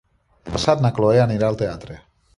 Demà passat na Chloé anirà al teatre.